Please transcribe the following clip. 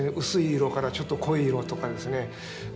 薄い色からちょっと濃い色とかですね。